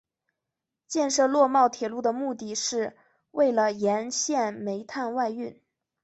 建设洛茂铁路的目的是为了沿线煤炭外运。